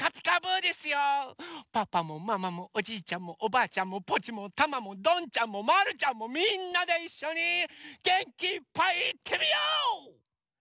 パパもママもおじいちゃんもおばあちゃんもポチもタマもどんちゃんもまるちゃんもみんなでいっしょにげんきいっぱいいってみよう！